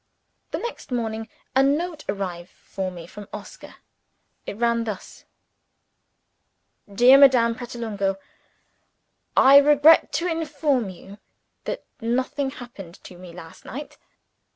The next morning a note arrived for me from Oscar. It ran thus: "DEAR MADAME PRATOLUNGO, I regret to inform you that nothing happened to me last night.